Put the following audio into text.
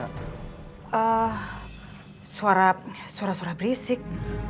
eh suara suara berisik